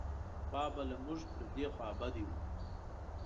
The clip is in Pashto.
وفا به له موږ پر دې خوابدۍ و.